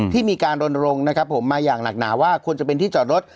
ที่มีการรณรงค์นะครับผมมาอย่างหนักหนาว่าควรจะเป็นที่จอดรถ